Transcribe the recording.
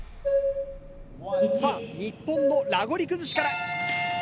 さぁ日本のラゴリ崩しから。